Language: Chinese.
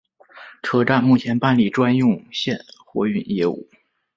车站目前办理专用线货运业务。